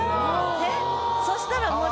ねっそしたら。